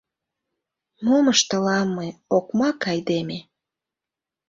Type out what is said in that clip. Мом ыштылам мый — окмак айдеме?